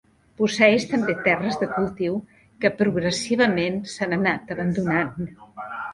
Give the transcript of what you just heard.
Posseeix també terres de cultiu que progressivament s'han anat abandonant.